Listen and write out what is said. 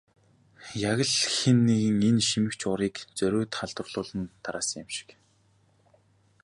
Яг л хэн нэг нь энэ шимэгч урыг зориуд халдварлуулан тараасан юм шиг.